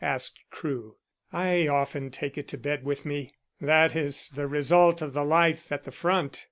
asked Crewe. "I often take it to bed with me. That is the result of the life at the front.